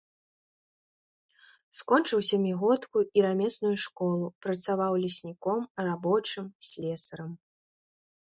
Скончыў сямігодку і рамесную школу, працаваў лесніком, рабочым, слесарам.